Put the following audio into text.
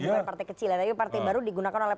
bukan partai kecil ya tapi partai baru digunakan oleh